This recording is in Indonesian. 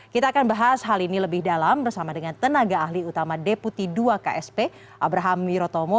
kita akan bahas hal ini lebih dalam bersama dengan tenaga ahli utama deputi dua ksp abraham wirotomo